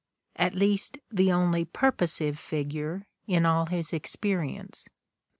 — at least the only purposive figure in all his experience.